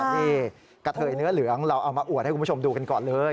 นี่กะเทยเนื้อเหลืองเราเอามาอวดให้คุณผู้ชมดูกันก่อนเลย